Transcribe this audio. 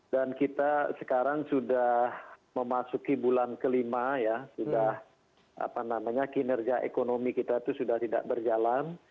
dan kita sekarang sudah memasuki bulan kelima ya sudah kinerja ekonomi kita itu sudah tidak berjalan